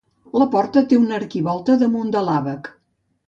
La porta té una arquivolta damunt de l'àbac.